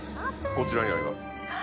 こちらになります。